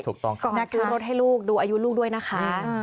ถูกต้องขออนุญาตซื้อรถให้ลูกดูอายุลูกด้วยนะคะ